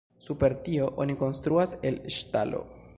Super tio oni konstruas el ŝtalo.